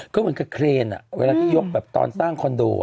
ก็เหมือนกับเครนเวลาที่ยกแบบตอนสร้างคอนโด